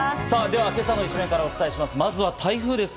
では今朝の一面からお伝えします。